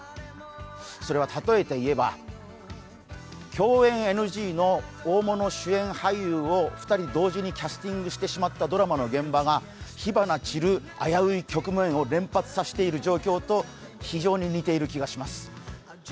それは例えて言えば、共演ＮＧの大物主演俳優を２人同時にキャスティングしてしまったドラマの現場が火花散る危うい局面を連発させる状況と非常に似ている気がします。